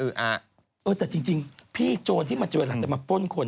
เออแต่จริงพี่โจรที่มันจะเวลาจะมาป้นคน